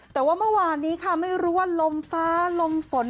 แต่ว่าเมื่อวานนี้ค่ะไม่รู้ว่าลมฟ้าลมฝน